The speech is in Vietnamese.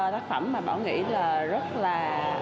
tác phẩm mà bảo nghĩ là rất là